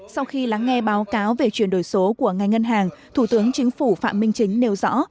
sau khi lắng nghe báo cáo về chuyển đổi số của ngành ngân hàng thủ tướng chính phủ phạm minh chính nêu rõ